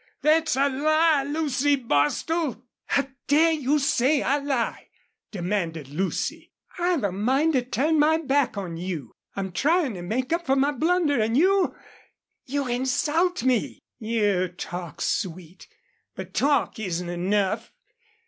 "Thet's a lie, Lucy Bostil!" "How dare you say I lie?" demanded Lucy. "I've a mind to turn my back on you. I'm trying to make up for my blunder and you you insult me!" "You talk sweet ... but talk isn't enough.